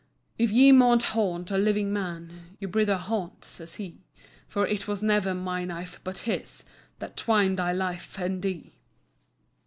"If ye maun haunt a living man, Your brither haunt," says he, "For it was never my knife, but his That [twined thy life and thee!